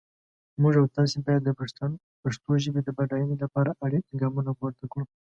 موږ او تاسي باید د پښتو ژپې د بډاینې لپاره اړین ګامونه پورته کړو.